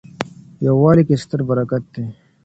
یووالي کي ستر برکت دی.